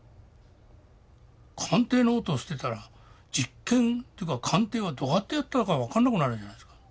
鑑定ノートを捨てたら実験っていうか鑑定はどうやってやったのか分かんなくなるじゃないですか。